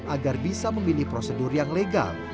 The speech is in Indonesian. agar bisa memilih prosedur yang legal